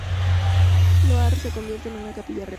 Loarre se convierte en capilla real.